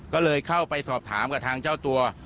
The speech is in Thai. ก็เลยเข้าไปสอบถามกับทางเจ้าตัว